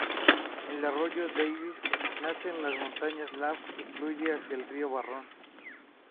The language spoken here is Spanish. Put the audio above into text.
El arroyo Davies nace en los montañas Lamb y fluye hacia el río Barron.